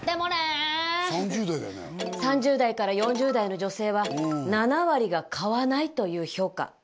３０代から４０代の女性は７割が「買わない」という評価。